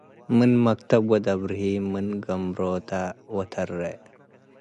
ምን መክተብ ወድ አብርሂም ምን ገምሮተ ወተሬ